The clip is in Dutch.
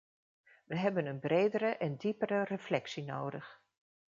We hebben een bredere en diepere reflectie nodig.